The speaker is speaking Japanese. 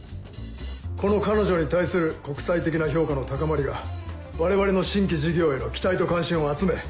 この彼女に対する国際的な評価の高まりが我々の新規事業への期待と関心を集め